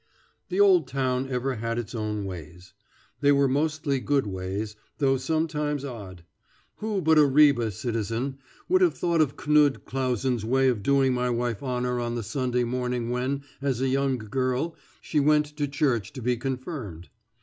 The old town ever had its own ways. They were mostly good ways, though sometimes odd. Who but a Ribe citizen would have thought of Knud Clausen's way of doing my wife honor on the Sunday morning when, as a young girl, she went to church to be confirmed?